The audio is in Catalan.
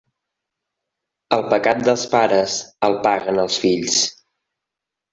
El pecat dels pares el paguen els fills.